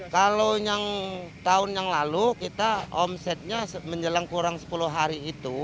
kalau yang tahun yang lalu kita omsetnya menjelang kurang sepuluh hari itu